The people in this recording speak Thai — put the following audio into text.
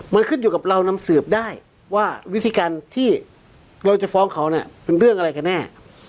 มันขึ้นอยู่กับเรานำสืบได้ว่าวิธีการที่เราจะฟ้องเขาเนี่ยเป็นเรื่องอะไรกันแน่